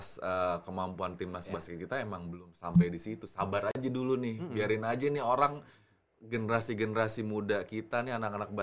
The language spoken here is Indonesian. sampai jumpa di video selanjutnya